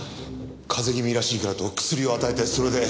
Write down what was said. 風邪気味らしいからと薬を与えてそれで。